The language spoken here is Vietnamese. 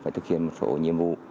phải thực hiện một số nhiệm vụ